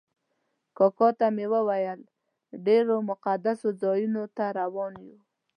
کاکا ته مې وویل ډېرو مقدسو ځایونو ته روان یو.